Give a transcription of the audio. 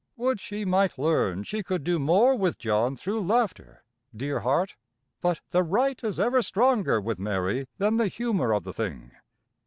Would she might learn she could do more with John through laughter, dear heart; but the right is ever stronger with Mary than the humor of the thing.